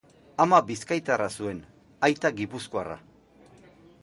Ama bizkaitarra zuen, aita gipuzkoarra.